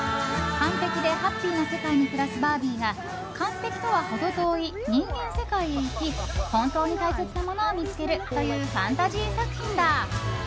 完璧でハッピーな世界に暮らすバービーが完璧とは程遠い人間世界へ行き本当に大切なものを見つけるというファンタジー作品だ。